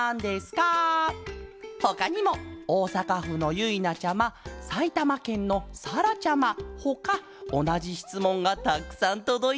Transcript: ほかにもおおさかふのゆいなちゃまさいたまけんのさらちゃまほかおなじしつもんがたくさんとどいてるケロ。